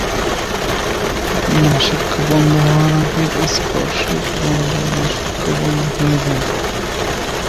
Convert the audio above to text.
নাসিক্য বন্ধ হওয়ার আগে স্পর্শক বন্ধ নাসিক্য বন্ধ হয়ে যায়।